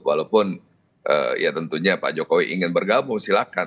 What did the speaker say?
walaupun ya tentunya pak jokowi ingin bergabung silahkan